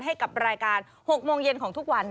ให้กับรายการ๖โมงเย็นของทุกวัน